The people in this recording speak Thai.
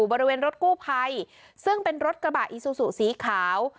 บริเวณรถกู้ภัยซึ่งเป็นรถกระบะอีซูซูสีขาว